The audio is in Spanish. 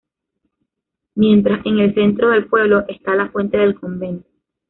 Mientras, en el centro del pueblo, está la fuente del Convento.